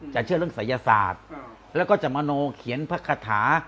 เชื่อเรื่องศัยศาสตร์แล้วก็จะมโนเขียนพระคาถา